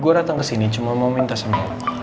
gue datang kesini cuma mau minta sama lo